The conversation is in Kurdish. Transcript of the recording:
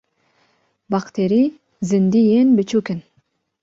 Bakterî zindiyên biçûk in.